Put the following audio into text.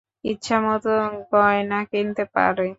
ইচ্ছামত গয়না কিনতে পারে।